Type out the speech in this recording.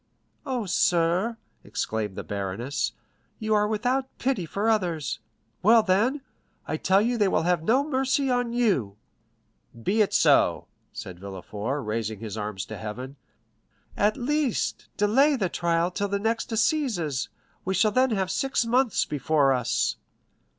"Oh, sir," exclaimed the baroness, "you are without pity for others, well, then, I tell you they will have no mercy on you!" "Be it so!" said Villefort, raising his arms to heaven with a threatening gesture. "At least, delay the trial till the next assizes; we shall then have six months before us."